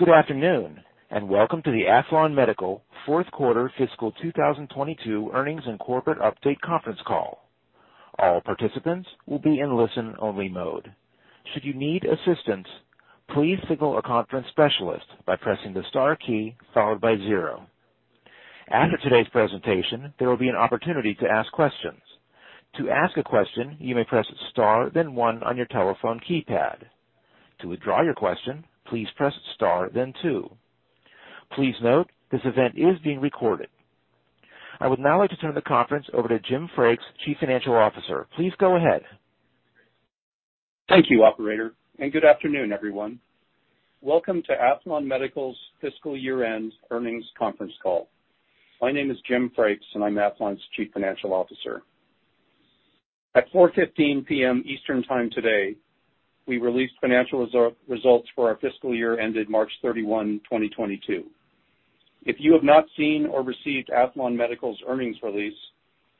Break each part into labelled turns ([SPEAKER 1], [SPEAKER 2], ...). [SPEAKER 1] Good afternoon, and welcome to the Aethlon Medical fourth quarter fiscal 2022 earnings and corporate update conference call. All participants will be in listen-only mode. Should you need assistance, please signal a conference specialist by pressing the star key followed by zero. After today's presentation, there will be an opportunity to ask questions. To ask a question, you may press star then one on your telephone keypad. To withdraw your question, please press star then two. Please note, this event is being recorded. I would now like to turn the conference over to James Frakes, Chief Financial Officer. Please go ahead.
[SPEAKER 2] Thank you, operator, and good afternoon, everyone. Welcome to Aethlon Medical's fiscal year-end earnings conference call. My name is Jim Frakes, and I'm Aethlon's Chief Financial Officer. At 4:15 P.M. Eastern Time today, we released financial results for our fiscal year ended March 31, 2022. If you have not seen or received Aethlon Medical's earnings release,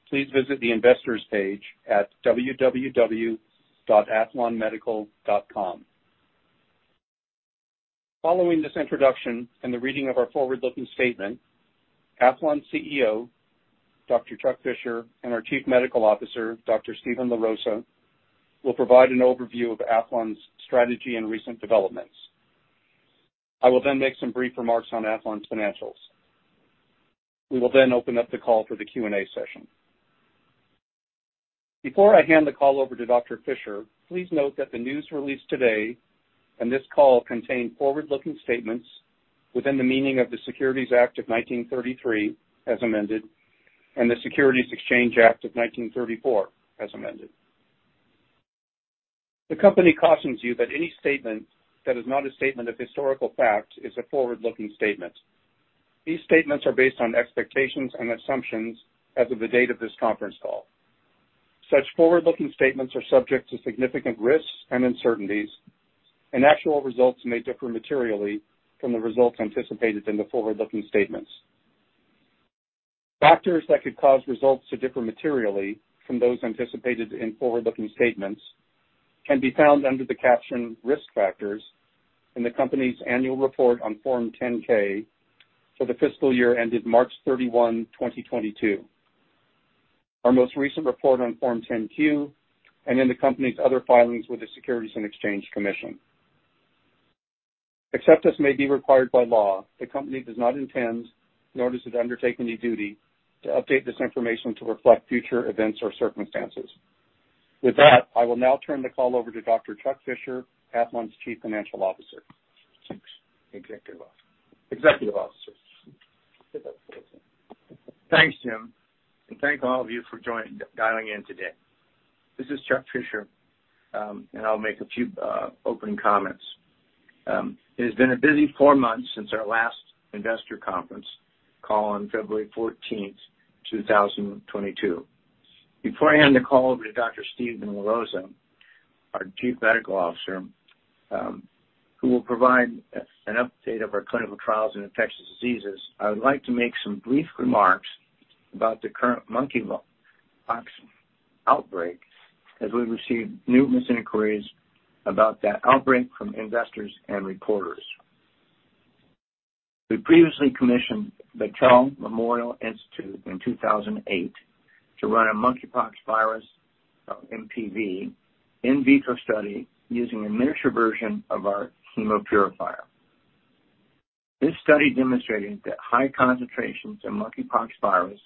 [SPEAKER 2] please visit the investors page at www.aethlonmedical.com. Following this introduction and the reading of our forward-looking statement, Aethlon CEO, Dr. Chuck Fisher, and our Chief Medical Officer, Dr. Steven LaRosa, will provide an overview of Aethlon's strategy and recent developments. I will then make some brief remarks on Aethlon's financials. We will then open up the call for the Q&A session. Before I hand the call over to Dr. Fisher, please note that the news released today and this call contain forward-looking statements within the meaning of the Securities Act of 1933, as amended, and the Securities Exchange Act of 1934, as amended. The company cautions you that any statement that is not a statement of historical fact is a forward-looking statement. These statements are based on expectations and assumptions as of the date of this conference call. Such forward-looking statements are subject to significant risks and uncertainties, and actual results may differ materially from the results anticipated in the forward-looking statements. Factors that could cause results to differ materially from those anticipated in forward-looking statements can be found under the caption Risk Factors in the company's annual report on Form 10-K for the fiscal year ended March 31, 2022, our most recent report on Form 10-Q, and in the company's other filings with the Securities and Exchange Commission. Except as may be required by law, the company does not intend nor does it undertake any duty to update this information to reflect future events or circumstances. With that, I will now turn the call over to Dr. Chuck Fisher, Aethlon's Chief Executive Officer. Executive Officer. Executive Officer.
[SPEAKER 3] Thanks, Jim, and thank all of you for joining and dialing in today. This is Chuck Fisher, and I'll make a few opening comments. It has been a busy four months since our last investor conference call on February fourteenth, 2022. Before I hand the call over to Dr. Steven LaRosa, our Chief Medical Officer, who will provide an update of our clinical trials in infectious diseases, I would like to make some brief remarks about the current monkeypox outbreak as we've received numerous inquiries about that outbreak from investors and reporters. We previously commissioned the Battelle Memorial Institute in 2008 to run a monkeypox virus, MPV, in vitro study using a miniature version of our Hemopurifier. This study demonstrated that high concentrations of monkeypox virus,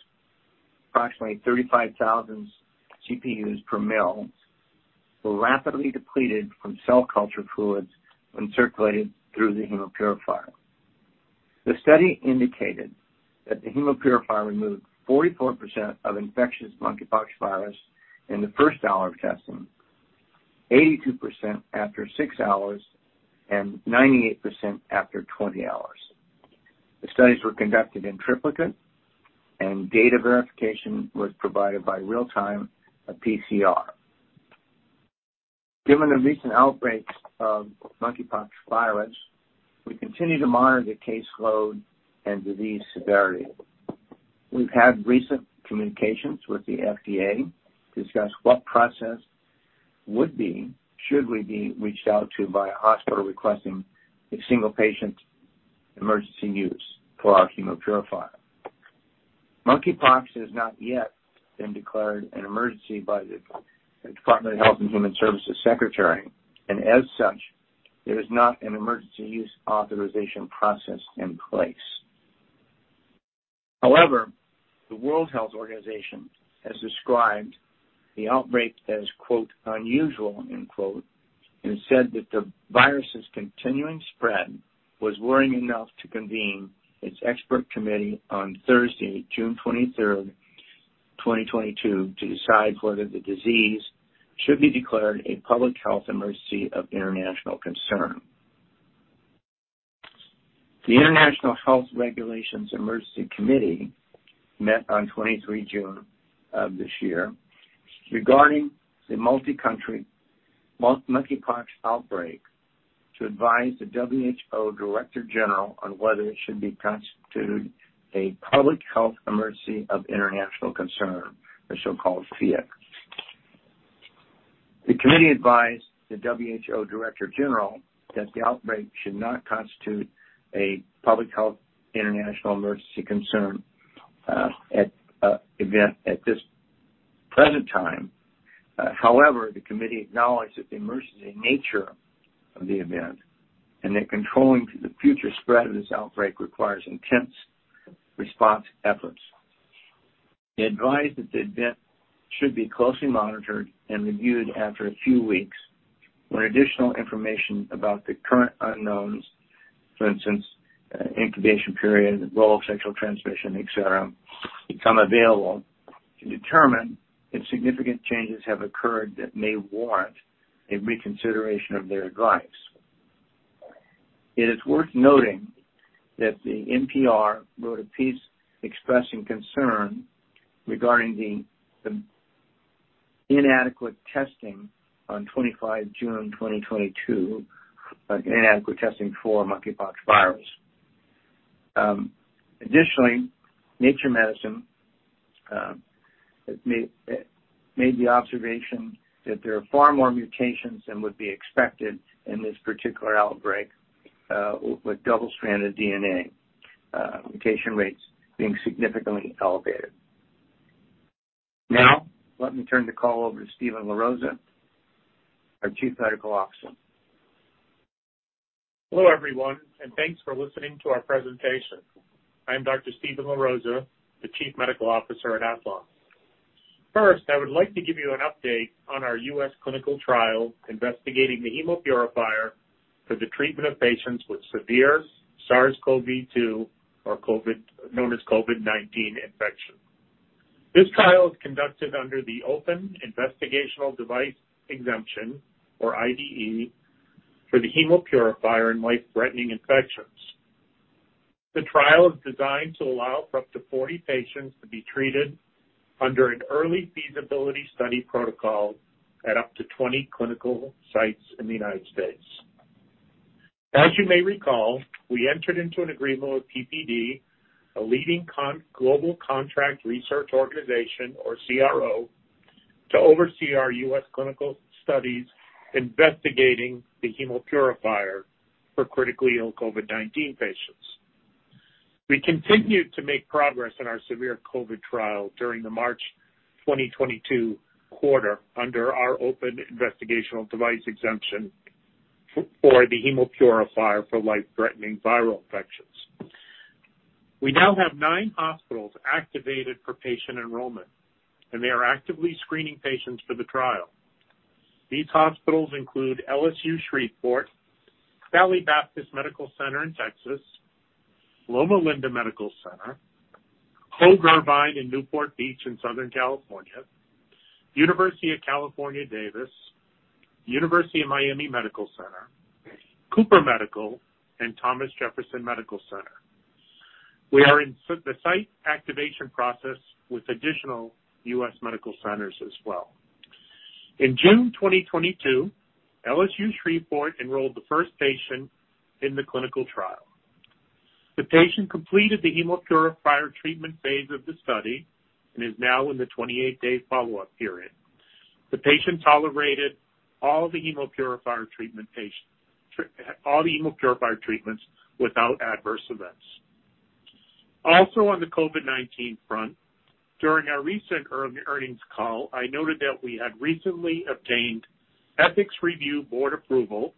[SPEAKER 3] approximately 35,000 PFUs per ml, were rapidly depleted from cell culture fluids when circulated through the Hemopurifier. The study indicated that the Hemopurifier removed 44% of infectious monkeypox virus in the first hour of testing, 82% after 6 hours, and 98% after 20 hours. The studies were conducted in triplicate, and data verification was provided by real-time PCR. Given the recent outbreaks of monkeypox virus, we continue to monitor case load and disease severity. We've had recent communications with the FDA to discuss what process would be should we be reached out to by a hospital requesting a single-patient emergency use for our Hemopurifier. Monkeypox has not yet been declared an emergency by the Department of Health and Human Services secretary, and as such, there is not an emergency use authorization process in place. However, the World Health Organization has described the outbreak as, quote, unusual, end quote, and said that the virus's continuing spread was worrying enough to convene its expert committee on Thursday, June 23, 2022, to decide whether the disease should be declared a public health emergency of international concern. The International Health Regulations Emergency Committee met on 23 June of this year regarding the multi-country monkeypox outbreak to advise the WHO Director-General on whether it should be constituted a public health emergency of international concern, a so-called PHEIC. The committee advised the WHO Director-General that the outbreak should not constitute a public health emergency of international concern at this present time. However, the committee acknowledged that the emergency nature of the event and that controlling the future spread of this outbreak requires intense response efforts. They advised that the event should be closely monitored and reviewed after a few weeks, when additional information about the current unknowns, for instance, incubation period, the role of sexual transmission, et cetera, become available to determine if significant changes have occurred that may warrant a reconsideration of their advice. It is worth noting that the NPR wrote a piece expressing concern regarding the inadequate testing on 25 June 2022, inadequate testing for monkeypox virus. Additionally, Nature Medicine made the observation that there are far more mutations than would be expected in this particular outbreak, with double-stranded DNA mutation rates being significantly elevated. Now let me turn the call over to Steven LaRosa, our Chief Medical Officer.
[SPEAKER 4] Hello, everyone, and thanks for listening to our presentation. I'm Dr. Steven LaRosa, the Chief Medical Officer at Aethlon. First, I would like to give you an update on our U.S. clinical trial investigating the Hemopurifier for the treatment of patients with severe SARS-CoV-2 or COVID, known as COVID-19 infection. This trial is conducted under the open investigational device exemption, or IDE, for the Hemopurifier in life-threatening infections. The trial is designed to allow for up to 40 patients to be treated under an early feasibility study protocol at up to 20 clinical sites in the United States. As you may recall, we entered into an agreement with PPD, a leading global contract research organization, or CRO, to oversee our U.S. clinical studies investigating the Hemopurifier for critically ill COVID-19 patients. We continued to make progress in our severe COVID trial during the March 2022 quarter under our open investigational device exemption for the Hemopurifier for life-threatening viral infections. We now have 9 hospitals activated for patient enrollment, and they are actively screening patients for the trial. These hospitals include LSU Shreveport, Valley Baptist Medical Center in Texas, Loma Linda University Medical Center, Hoag Hospital Irvine in Newport Beach in Southern California, University of California, Davis, University of Miami Health System, Cooper University Hospital, and Thomas Jefferson University Hospital. We are in the site activation process with additional US medical centers as well. In June 2022, LSU Shreveport enrolled the first patient in the clinical trial. The patient completed the Hemopurifier treatment phase of the study and is now in the 28-day follow-up period. The patient tolerated all the Hemopurifier treatments without adverse events. Also on the COVID-19 front, during our recent earnings call, I noted that we had recently obtained ethics review board approval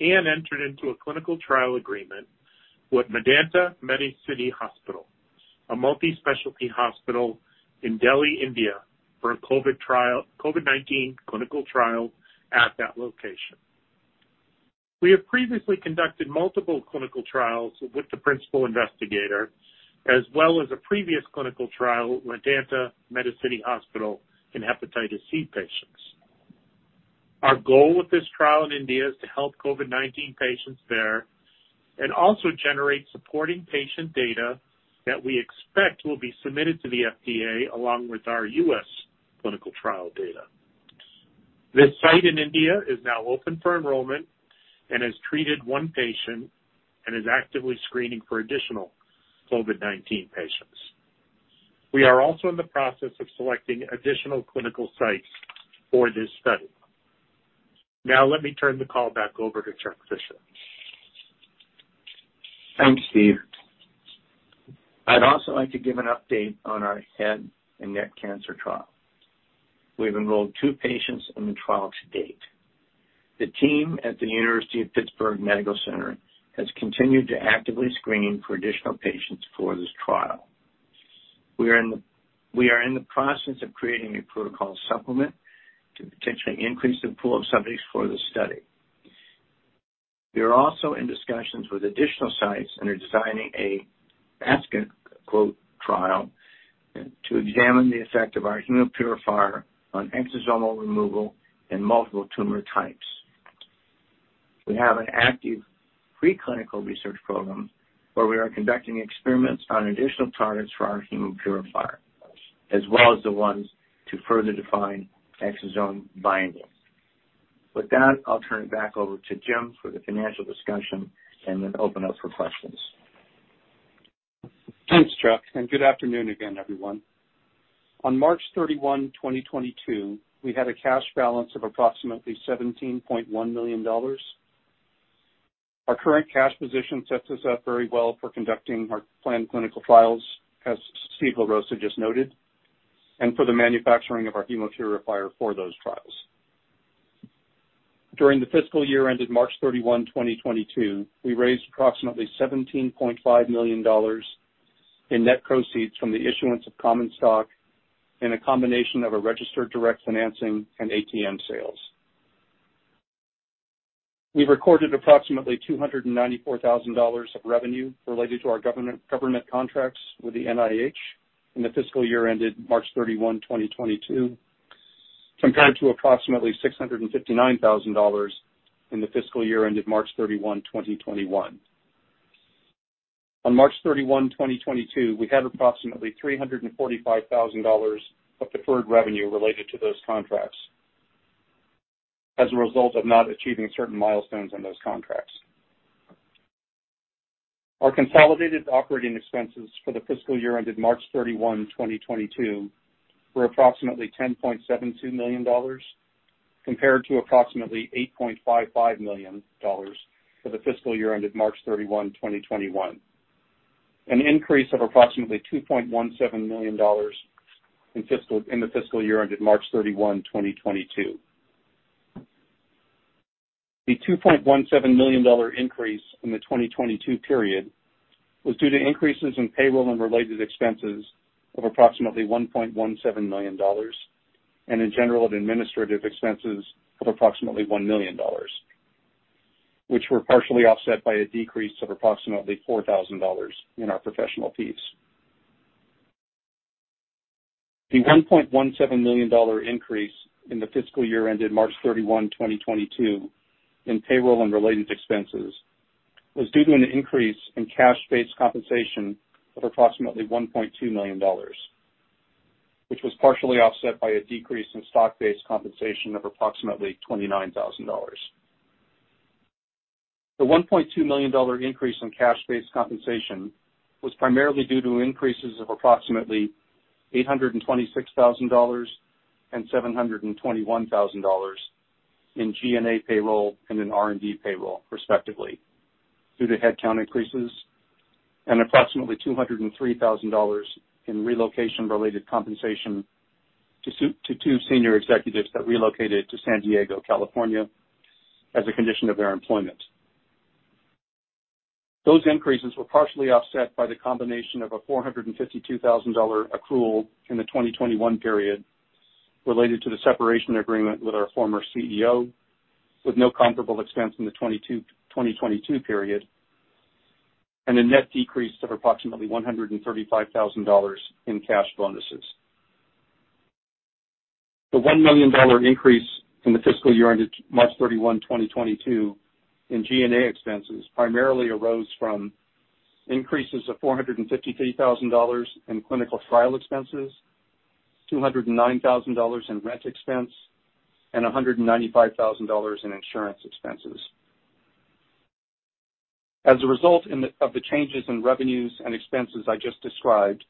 [SPEAKER 4] and entered into a clinical trial agreement with Medanta - The Medicity Hospital, a multi-super specialty hospital in Gurugram, India, for a COVID trial, COVID-19 clinical trial at that location. We have previously conducted multiple clinical trials with the principal investigator, as well as a previous clinical trial with Medanta - The Medicity Hospital in Hepatitis C patients. Our goal with this trial in India is to help COVID-19 patients there and also generate supporting patient data that we expect will be submitted to the FDA along with our U.S. clinical trial data. This site in India is now open for enrollment and has treated one patient and is actively screening for additional COVID-19 patients. We are also in the process of selecting additional clinical sites for this study. Now let me turn the call back over to Chuck Fisher.
[SPEAKER 3] Thanks, Steve. I'd also like to give an update on our head and neck cancer trial. We've enrolled two patients in the trial to date. The team at the University of Pittsburgh Medical Center has continued to actively screen for additional patients for this trial. We are in the process of creating a protocol supplement to potentially increase the pool of subjects for the study. We are also in discussions with additional sites and are designing a basket trial to examine the effect of our Hemopurifier on exosomal removal in multiple tumor types. We have an active pre-clinical research program where we are conducting experiments on additional targets for our Hemopurifier, as well as the ones to further define exosome binding. With that, I'll turn it back over to Jim for the financial discussion and then open up for questions.
[SPEAKER 2] Thanks, Chuck, and good afternoon again, everyone. On March 31, 2022, we had a cash balance of approximately $17.1 million. Our current cash position sets us up very well for conducting our planned clinical trials, as Steven LaRosa just noted, and for the manufacturing of our Hemopurifier for those trials. During the fiscal year ended March 31, 2022, we raised approximately $17.5 million in net proceeds from the issuance of common stock in a combination of a registered direct financing and ATM sales. We recorded approximately $294,000 of revenue related to our government contracts with the NIH in the fiscal year ended March 31, 2022, compared to approximately $659,000 in the fiscal year ended March 31, 2021. On March 31, 2022, we had approximately $345,000 of deferred revenue related to those contracts as a result of not achieving certain milestones on those contracts. Our consolidated operating expenses for the fiscal year ended March 31, 2022, were approximately $10.72 million, compared to approximately $8.55 million for the fiscal year ended March 31, 2021. An increase of approximately $2.17 million in the fiscal year ended March 31, 2022. The $2.17 million increase from the 2022 period was due to increases in payroll and related expenses of approximately $1.17 million, and in general and administrative expenses of approximately $1 million, which were partially offset by a decrease of approximately $4,000 in our professional fees. The $1.17 million increase in the fiscal year ended March 31, 2022 in payroll and related expenses was due to an increase in cash-based compensation of approximately $1.2 million, which was partially offset by a decrease in stock-based compensation of approximately $29,000. The $1.2 million increase in cash-based compensation was primarily due to increases of approximately $826,000 and $721,000 in G&A payroll and in R&D payroll respectively, due to headcount increases and approximately $203,000 in relocation-related compensation to two senior executives that relocated to San Diego, California, as a condition of their employment. Those increases were partially offset by the combination of a $452 thousand accrual in the 2021 period related to the separation agreement with our former CEO, with no comparable expense in the 2022 period, and a net decrease of approximately $135 thousand in cash bonuses. The $1 million increase from the fiscal year ended March 31, 2022 in G&A expenses primarily arose from increases of $453 thousand in clinical trial expenses, $209 thousand in rent expense, and $195 thousand in insurance expenses. As a result of the changes in revenues and expenses I just described,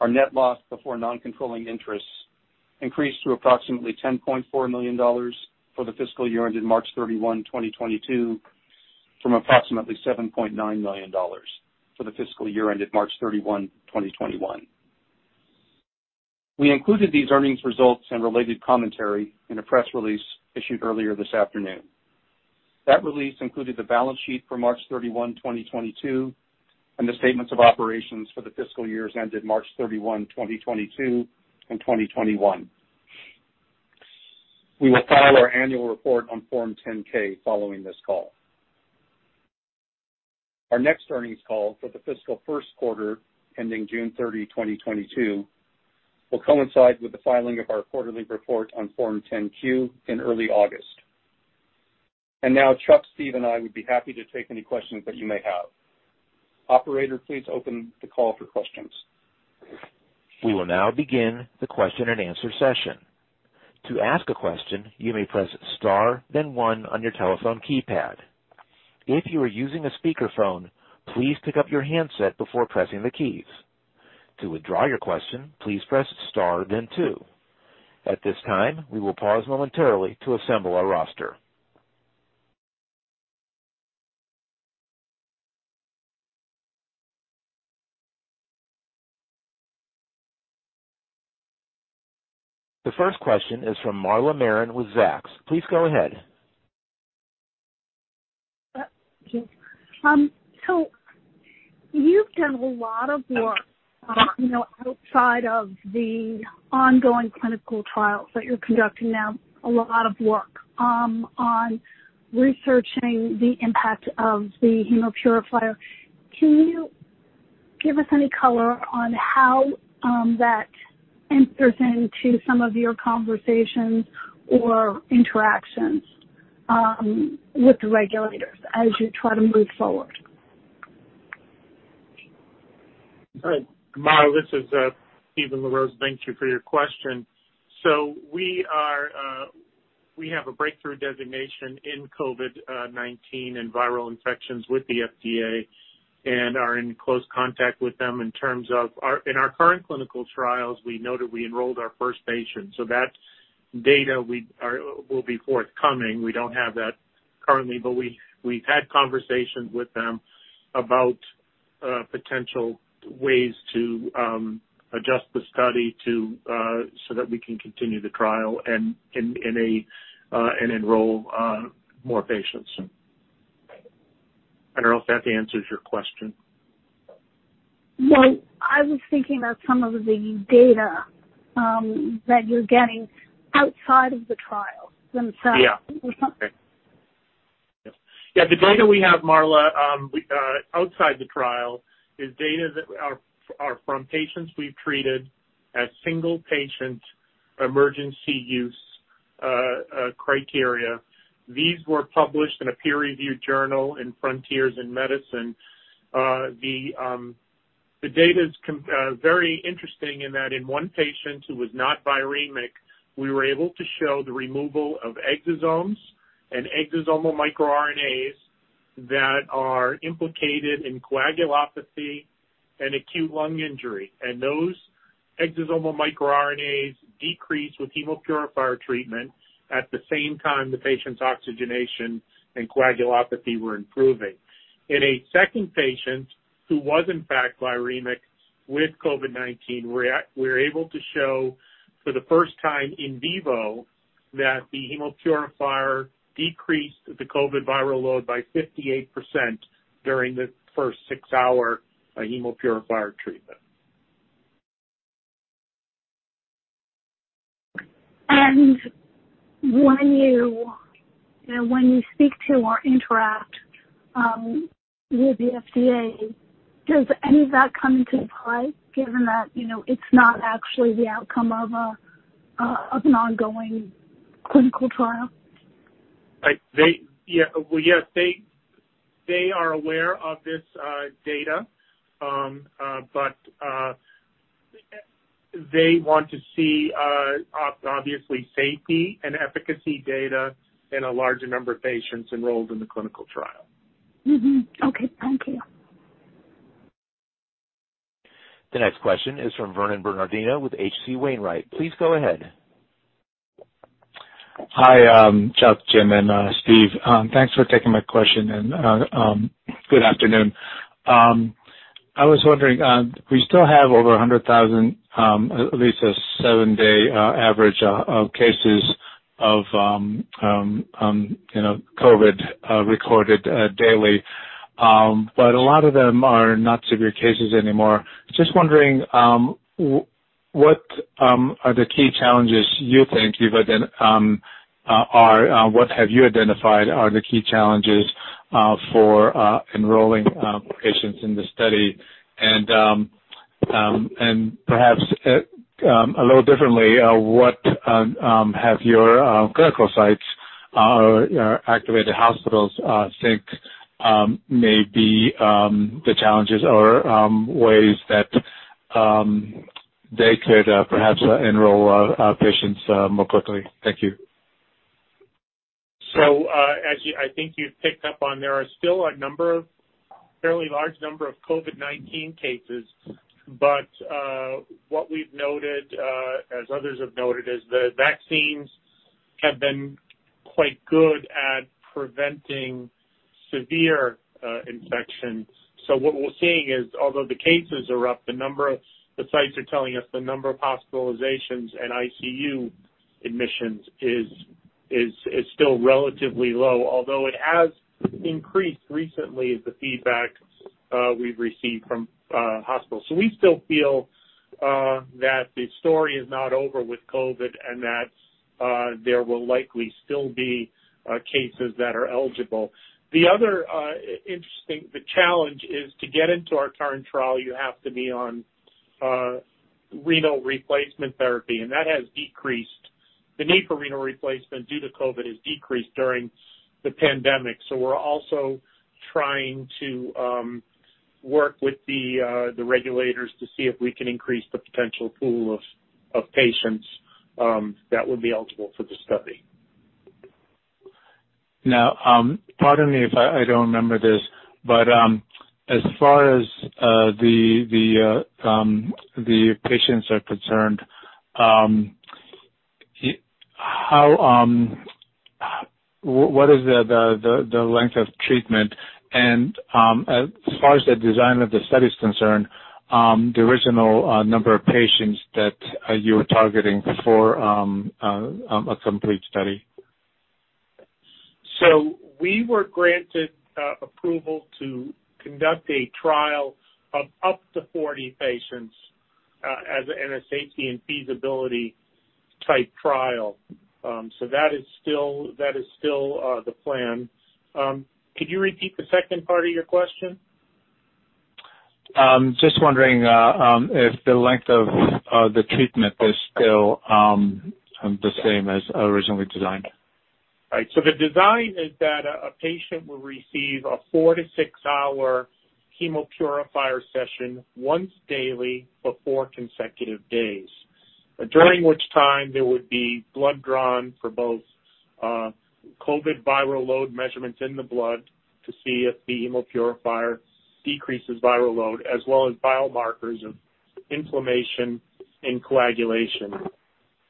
[SPEAKER 2] our net loss before non-controlling interests increased to approximately $10.4 million for the fiscal year ended March 31, 2022, from approximately $7.9 million for the fiscal year ended March 31, 2021. We included these earnings results and related commentary in a press release issued earlier this afternoon. That release included the balance sheet for March 31, 2022, and the statements of operations for the fiscal years ended March 31, 2022, and 2021. We will file our annual report on Form 10-K following this call. Our next earnings call for the fiscal first quarter, ending June 30, 2022, will coincide with the filing of our quarterly report on Form 10-Q in early August. Now, Chuck, Steve, and I would be happy to take any questions that you may have. Operator, please open the call for questions.
[SPEAKER 1] We will now begin the question and answer session. To ask a question, you may press star then one on your telephone keypad. If you are using a speakerphone, please pick up your handset before pressing the keys. To withdraw your question, please press star then two. At this time, we will pause momentarily to assemble our roster. The first question is from Marla Marin with Zacks. Please go ahead.
[SPEAKER 5] You've done a lot of work, you know, outside of the ongoing clinical trials that you're conducting now. A lot of work on researching the impact of the Hemopurifier. Can you give us any color on how that enters into some of your conversations or interactions with the regulators as you try to move forward?
[SPEAKER 4] All right. Marla, this is Steven LaRosa. Thank you for your question. We are- We have a breakthrough designation in COVID-19 and viral infections with the FDA and are in close contact with them in terms of our current clinical trials. We noted we enrolled our first patient, so that data will be forthcoming. We don't have that currently, but we've had conversations with them about potential ways to adjust the study to so that we can continue the trial and enroll more patients. I don't know if that answers your question.
[SPEAKER 5] Well, I was thinking of some of the data that you're getting outside of the trials themselves.
[SPEAKER 4] The data we have, Marla Marin, outside the trial is data that are from patients we've treated as single patient emergency use criteria. These were published in a peer-reviewed journal in Frontiers in Medicine. The data is very interesting in that in one patient who was not viremic, we were able to show the removal of exosomes and exosomal microRNAs that are implicated in coagulopathy and acute lung injury. Those exosomal microRNAs decreased with Hemopurifier treatment at the same time the patient's oxygenation and coagulopathy were improving. In a second patient who was in fact viremic with COVID-19, we're able to show for the first time in vivo that the Hemopurifier decreased the COVID viral load by 58% during the first six-hour Hemopurifier treatment.
[SPEAKER 5] When you speak to or interact with the FDA, does any of that come into play given that, you know, it's not actually the outcome of an ongoing clinical trial?
[SPEAKER 4] They, yeah. Well, yes, they are aware of this data. But they want to see, obviously, safety and efficacy data in a larger number of patients enrolled in the clinical trial.
[SPEAKER 5] Okay. Thank you.
[SPEAKER 1] The next question is from Vernon Bernardino with H.C. Wainwright. Please go ahead.
[SPEAKER 6] Hi, Chuck, Jim, and Steve. Thanks for taking my question and good afternoon. I was wondering, we still have over 100,000, at least a seven-day average, of cases of, you know, COVID, recorded daily. A lot of them are not severe cases anymore. Just wondering, what are the key challenges you think you've identified for enrolling patients in the study? Perhaps a little differently, what have your clinical sites, activated hospitals, think may be the challenges or ways that they could perhaps enroll patients more quickly? Thank you.
[SPEAKER 4] As you, I think, you've picked up on, there are still a fairly large number of COVID-19 cases. What we've noted, as others have noted, is the vaccines have been quite good at preventing severe infections. What we're seeing is, although the cases are up, the number of the sites are telling us the number of hospitalizations and ICU admissions is still relatively low, although it has increased recently, the feedback we've received from hospitals. We still feel that the story is not over with COVID and that there will likely still be cases that are eligible. The challenge is to get into our current trial, you have to be on renal replacement therapy, and that has decreased. The need for renal replacement due to COVID has decreased during the pandemic. We're also trying to work with the regulators to see if we can increase the potential pool of patients that would be eligible for the study.
[SPEAKER 6] Now, pardon me if I don't remember this, but as far as the patients are concerned, what is the length of treatment and as far as the design of the study is concerned, the original number of patients that you were targeting for a complete study?
[SPEAKER 4] We were granted approval to conduct a trial of up to 40 patients as a safety and feasibility type trial. That is still the plan. Could you repeat the second part of your question?
[SPEAKER 6] Just wondering if the length of the treatment is still the same as originally designed?
[SPEAKER 4] Right. The design is that a patient will receive a 4-6-hour Hemopurifier session once daily for 4 consecutive days, during which time there would be blood drawn for both COVID viral load measurements in the blood to see if the Hemopurifier decreases viral load, as well as biomarkers of inflammation and coagulation.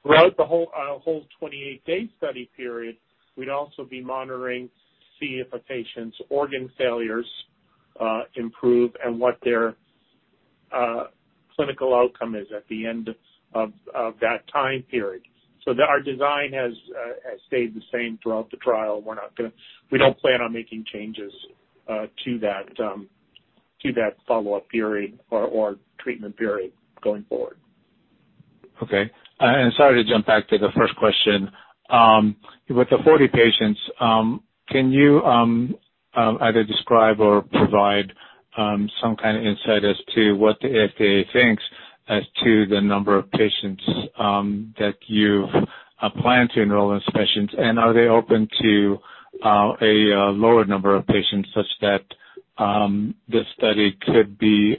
[SPEAKER 4] Throughout the whole twenty-eight-day study period, we'd also be monitoring to see if a patient's organ failures improve and what their clinical outcome is at the end of that time period. Our design has stayed the same throughout the trial. We're not. We don't plan on making changes to that follow-up period or treatment period going forward.
[SPEAKER 6] Okay. Sorry to jump back to the first question. With the 40 patients, can you either describe or provide some kind of insight as to what the FDA thinks as to the number of patients that you plan to enroll in sessions? Are they open to a lower number of patients such that this study could be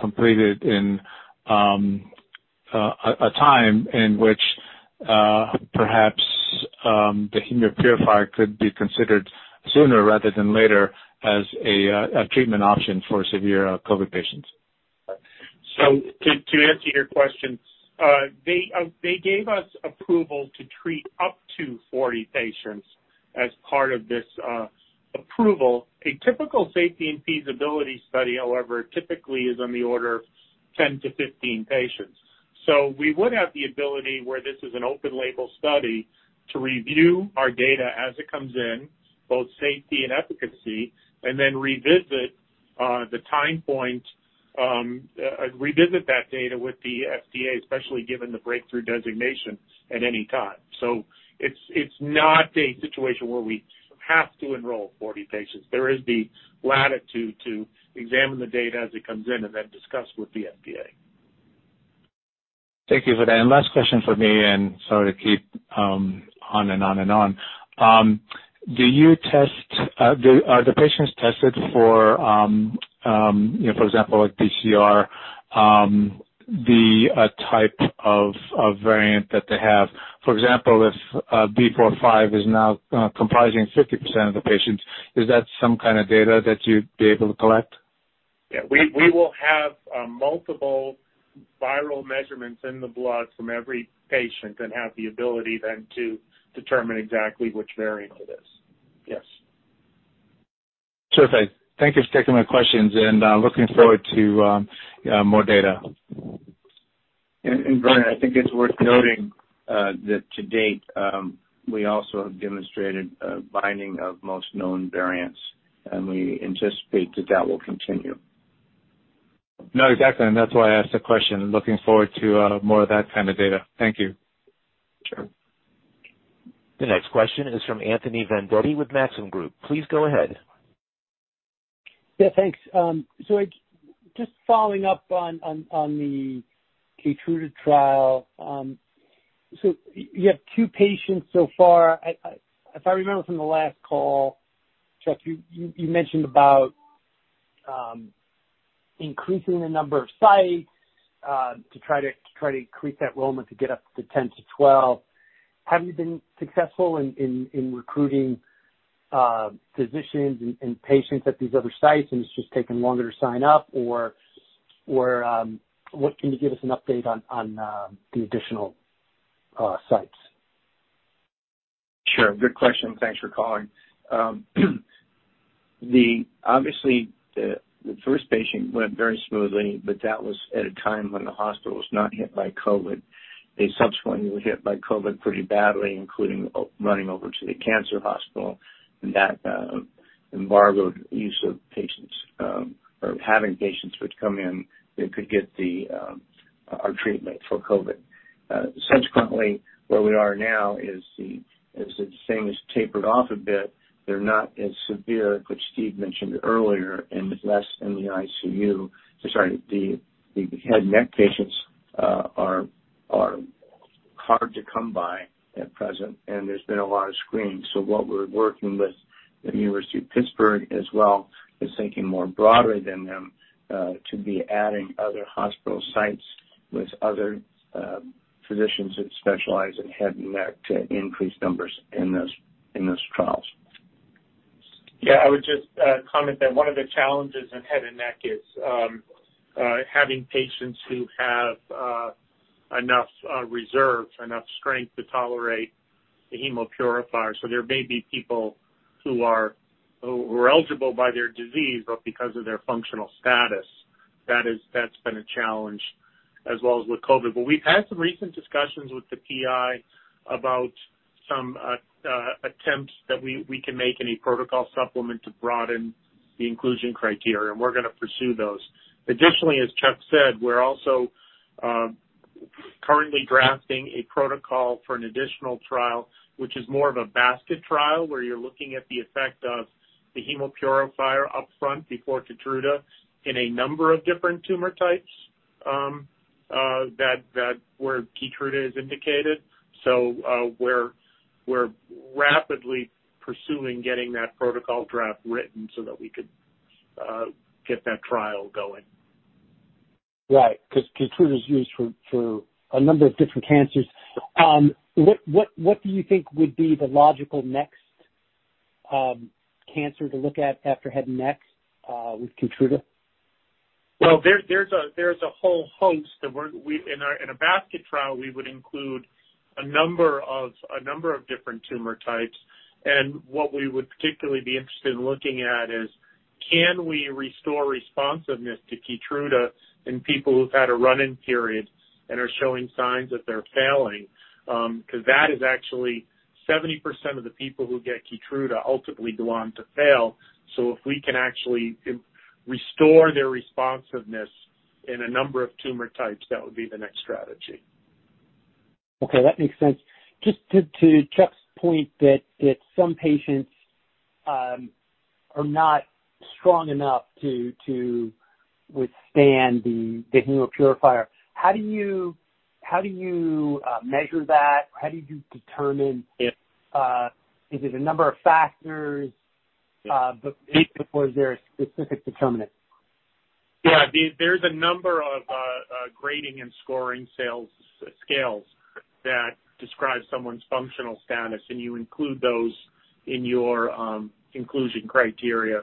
[SPEAKER 6] completed in a time in which perhaps the Hemopurifier could be considered sooner rather than later as a treatment option for severe COVID patients?
[SPEAKER 4] To answer your question, they gave us approval to treat up to 40 patients as part of this approval. A typical safety and feasibility study, however, typically is on the order of 10 to 15 patients. We would have the ability where this is an open label study, to review our data as it comes in, both safety and efficacy, and then revisit the time point, revisit that data with the FDA, especially given the breakthrough designation at any time. It's not a situation where we have to enroll 40 patients. There is the latitude to examine the data as it comes in and then discuss with the FDA.
[SPEAKER 6] Thank you for that. Last question for me, and sorry to keep on and on. Are the patients tested for, you know, for example, like PCR, the type of variant that they have? For example, if BA.4/5 is now comprising 50% of the patients, is that some kind of data that you'd be able to collect?
[SPEAKER 4] Yeah. We will have multiple viral measurements in the blood from every patient and have the ability then to determine exactly which variant it is. Yes.
[SPEAKER 6] Terrific. Thank you for taking my questions, and looking forward to more data.
[SPEAKER 3] Vernon, I think it's worth noting that to date, we also have demonstrated a binding of most known variants, and we anticipate that will continue.
[SPEAKER 6] No, exactly, and that's why I asked the question. Looking forward to more of that kind of data. Thank you.
[SPEAKER 3] Sure.
[SPEAKER 1] The next question is from Anthony Vendetti with Maxim Group. Please go ahead.
[SPEAKER 7] Yeah, thanks. Just following up on the KEYTRUDA trial. You have two patients so far. If I remember from the last call, Chuck, you mentioned about increasing the number of sites to try to increase enrollment to get up to 10-12. Have you been successful in recruiting physicians and patients at these other sites and it's just taking longer to sign up? Or, can you give us an update on the additional sites?
[SPEAKER 3] Sure. Good question. Thanks for calling. Obviously, the first patient went very smoothly, but that was at a time when the hospital was not hit by COVID. They subsequently were hit by COVID pretty badly, including overflowing running over to the cancer hospital, and that embargoed use of patients, or having patients which come in that could get our treatment for COVID. Subsequently, where we are now is the thing has tapered off a bit. They're not as severe, which Steve mentioned earlier, and less in the ICU. Sorry, the head neck patients are hard to come by at present, and there's been a lot of screening. What we're working with the University of Pittsburgh as well is thinking more broadly than them to be adding other hospital sites with other physicians that specialize in head and neck to increase numbers in those trials.
[SPEAKER 4] Yeah. I would just comment that one of the challenges in head and neck is having patients who have enough reserves, enough strength to tolerate the Hemopurifier. There may be people who are eligible by their disease, but because of their functional status, that is, that's been a challenge as well as with COVID. We've had some recent discussions with the PI about some attempts that we can make in a protocol supplement to broaden the inclusion criteria, and we're gonna pursue those. Additionally, as Chuck said, we're also currently drafting a protocol for an additional trial, which is more of a basket trial where you're looking at the effect of the Hemopurifier up front before KEYTRUDA in a number of different tumor types where KEYTRUDA is indicated. We're rapidly pursuing getting that protocol draft written so that we could get that trial going.
[SPEAKER 7] Right. 'Cause KEYTRUDA is used for a number of different cancers. What do you think would be the logical next cancer to look at after head and neck with KEYTRUDA?
[SPEAKER 4] In a basket trial, we would include a number of different tumor types, and what we would particularly be interested in looking at is can we restore responsiveness to KEYTRUDA in people who've had a run-in period and are showing signs that they're failing? 'Cause that is actually 70% of the people who get KEYTRUDA ultimately go on to fail. If we can actually restore their responsiveness in a number of tumor types, that would be the next strategy.
[SPEAKER 7] Okay, that makes sense. Just to Chuck's point that some patients are not strong enough to withstand the Hemopurifier, how do you measure that? How do you determine?
[SPEAKER 4] Yes.
[SPEAKER 7] Is it a number of factors?
[SPEAKER 4] Yeah.
[SPEAKER 7] Is there a specific determinant?
[SPEAKER 4] Yeah. There's a number of grading and scoring scales that describe someone's functional status, and you include those in your inclusion criteria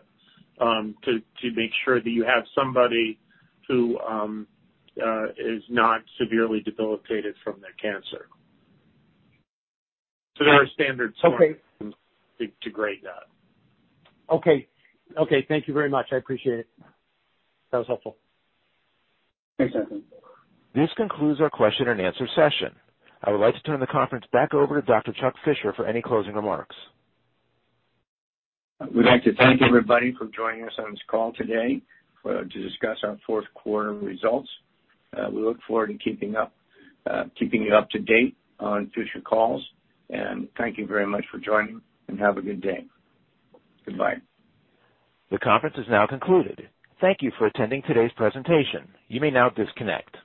[SPEAKER 4] to make sure that you have somebody who is not severely debilitated from their cancer. There are standard scoring-
[SPEAKER 7] Okay.
[SPEAKER 4] to grade that.
[SPEAKER 7] Okay. Thank you very much. I appreciate it. That was helpful.
[SPEAKER 4] Thanks, Anthony.
[SPEAKER 1] This concludes our question and answer session. I would like to turn the conference back over to Dr. Charles Fisher for any closing remarks.
[SPEAKER 3] We'd like to thank everybody for joining us on this call today, to discuss our fourth quarter results. We look forward to keeping you up to date on future calls, and thank you very much for joining, and have a good day. Goodbye.
[SPEAKER 1] The conference is now concluded. Thank you for attending today's presentation. You may now disconnect.